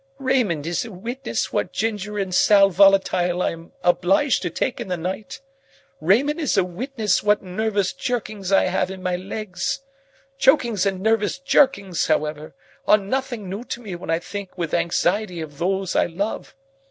"Raymond is a witness what ginger and sal volatile I am obliged to take in the night. Raymond is a witness what nervous jerkings I have in my legs. Chokings and nervous jerkings, however, are nothing new to me when I think with anxiety of those I love.